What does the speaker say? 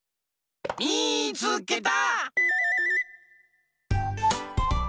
みいつけた！